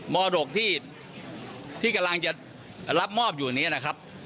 มรดกที่กำลังจะรับมอบอยู่นี้นะครับ